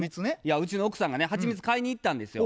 うちの奥さんがねはちみつ買いに行ったんですよ。